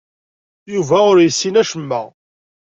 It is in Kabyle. Yuba ur yessin acemma.